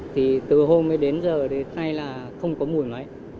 thì từ hôm đến giờ đến nay là không có mùi mấy